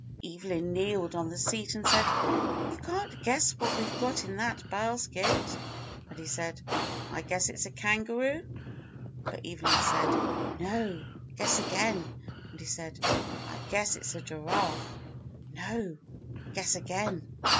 Evelyn kneeled on the seat and said, "You can't guess what we've got in that basket." And he said, "I guess it's a kangaroo." And Evelyn said, "No; guess again." And he said, "I guess it's a giraffe." "No; guess again."